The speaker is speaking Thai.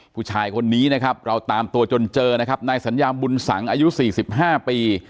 ผู้ชายคนนี้นะครับเราตามตัวจนเจอนะครับนายสัญญามบุญสังอายุ๔๕ปี